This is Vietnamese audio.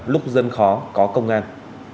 lúc dân khó có công an